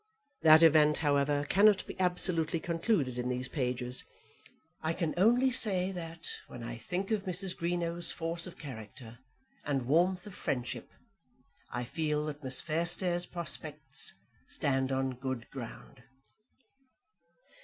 That event, however, cannot be absolutely concluded in these pages. I can only say that, when I think of Mrs. Greenow's force of character and warmth of friendship, I feel that Miss Fairstairs' prospects stand on good ground.